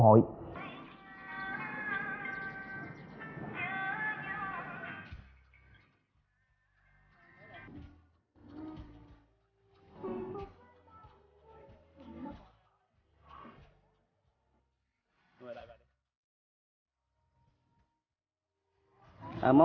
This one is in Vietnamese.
nghĩa đi tự do đ painful